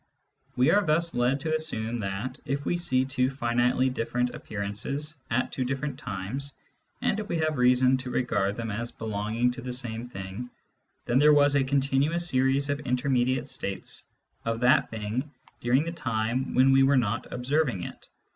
We are thus led to assume that, if we see two finitely diflPerent appear ances at two diflPerent times, and if we have reason to regard them as belonging to the same thing, then there was a continuous series of intermediate states of that thing during the time when we were not observing it.